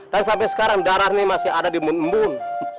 dan sampai sekarang darahnya masih ada di mbun mbun